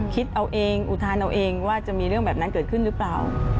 คิดเอาเองอุทานเอาเองว่าจะมีเรื่องแบบนั้นเกิดขึ้นหรือเปล่า